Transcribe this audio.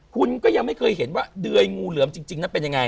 คุณก็ยังไม่เคยเห็นว่าเดยงูเหลือมจริงนั้นเป็นยังไง